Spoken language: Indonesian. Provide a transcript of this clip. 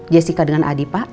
jessica dengan adi